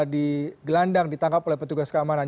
di gelandang ditangkap oleh petugas keamanan